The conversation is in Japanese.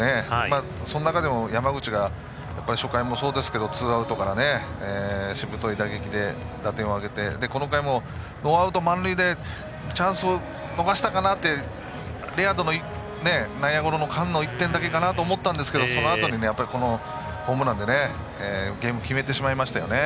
その中でも山口が初回もそうですけどツーアウトからしぶとい打撃で打点を挙げてこの回もノーアウト満塁でチャンスを逃したかなというレアードの内野ゴロの間の１点だけかなと思ったんですがそのあとにホームランでゲームを決めてしまいましたよね。